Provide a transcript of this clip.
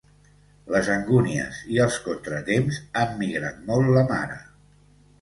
Les angúnies i els contratemps han migrat molt la mare.